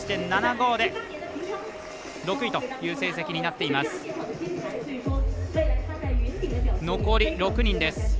６位という成績になっています。